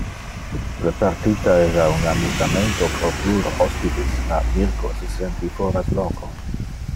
Le partita era un amusamento pro plure hospites, ma Mirco se senti foras loco.